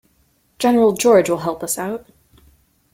General George will help us out.